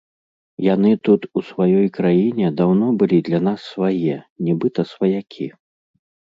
Яны тут, у сваёй краіне, даўно былі для нас свае, нібыта сваякі.